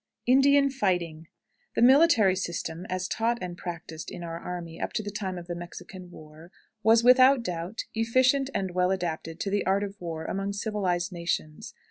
INDIAN FIGHTING. The military system, as taught and practiced in our army up to the time of the Mexican war, was, without doubt, efficient and well adapted to the art of war among civilized nations.